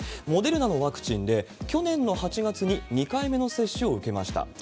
モデルナのワクチンで、去年の８月に２回目の接種を受けました。